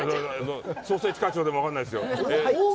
捜査一課長でも分からないですよ。